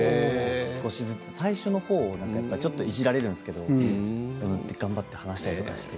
少しずつ、最初の方はやっぱりいじられるんですけれど頑張って話したりとかして。